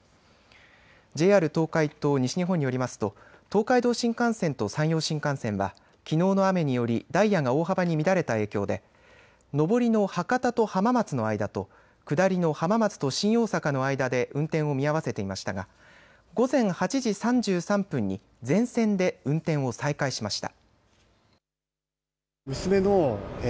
ＪＲ東海と西日本によりますと東海道新幹線と山陽新幹線はきのうの雨によりダイヤが大幅に乱れた影響で上りの博多と浜松の間と下りの浜松と新大阪の間で運転を見合わせていましたが午前８時３３分に全線で運転を再開しました。